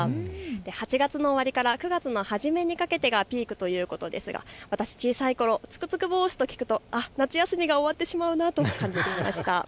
８月の終わりから９月の初めにかけてがピークということですが私、小さいころ、ツクツクボーシと聞くと夏休みが終わってしまうなと感じていました。